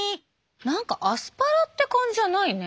何かアスパラって感じじゃないね。